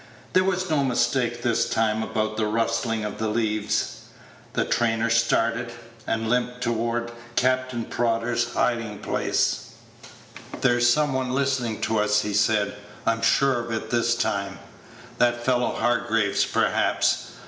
There was no mistake this time about the rustling of the leaves. The trainer started, and limped toward Captain Prodder's hiding place. Page 121 "There's some one listening to us," he said. "I'm sure of it this time that fellow Hargraves, perhaps.